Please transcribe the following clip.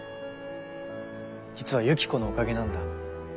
実はユキコのおかげなんだ。